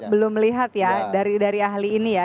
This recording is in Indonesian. belum melihat ya dari ahli ini ya